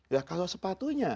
ya kalau sepatunya